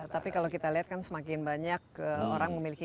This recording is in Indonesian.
tapi kalau kita lihat kan semakin banyak